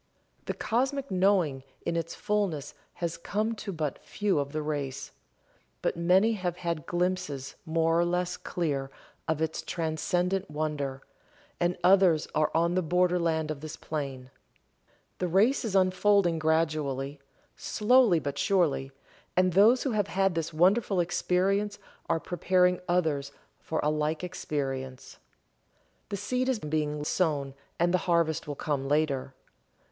The Cosmic Knowing in its fulness has come to but few of the race, but many have had glimpses, more or less clear, of its transcendent wonder, and others are on the borderland of this plane. The race is unfolding gradually, slowly but surely, and those who have had this wonderful experience are preparing others for a like experience. The seed is being sown, and the harvest will come later.